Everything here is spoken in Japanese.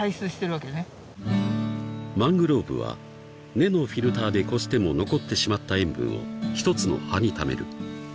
［マングローブは根のフィルターでこしても残ってしまった塩分を一つの葉にためる］